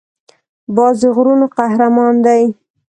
باز د غرونو قهرمان دی